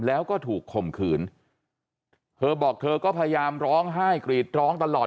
แล้วก็ถูกข่มขืนเธอบอกเธอก็พยายามร้องไห้กรีดร้องตลอด